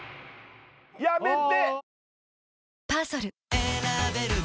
やめて。